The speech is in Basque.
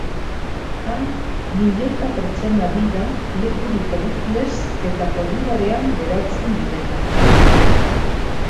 Han milioika pertsona dira lekurik eduki ez eta korridorean geratzen direnak.